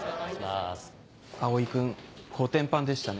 蒼君コテンパンでしたね。